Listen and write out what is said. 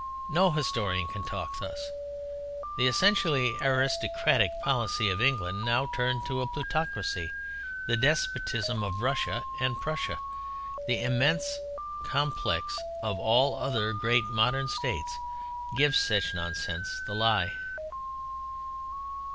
No historian can talk thus. The essentially aristocratic policy of England now turned to a plutocracy, the despotism of Russia and Prussia, the immense complex of all other great modern states gives such nonsense the lie.